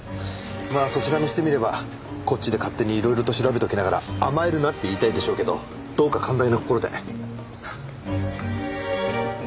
まあそちらにしてみればこっちで勝手にいろいろと調べておきながら甘えるなって言いたいでしょうけどどうか寛大な心で。